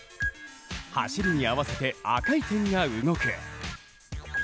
走りに合わせて赤い点が動く。